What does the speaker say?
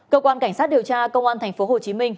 cơ quan cảnh sát điều tra công an tp hcm